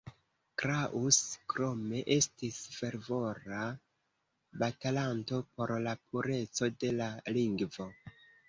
Kraus krome estis fervora batalanto por la pureco de la lingvo.